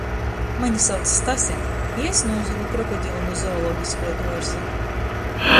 Mani sauc Stase, i es nūzogu krokodilu nu Zoologiskuo duorza...